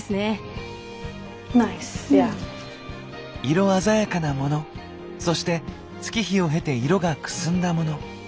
色鮮やかなモノそして月日を経て色がくすんだモノ。